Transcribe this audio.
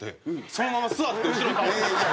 そのまま座って後ろに倒れた。